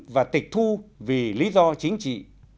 và tịch thu vì lý do chính trị